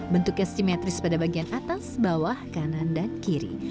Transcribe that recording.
bentuknya simetris pada bagian atas bawah kanan dan kiri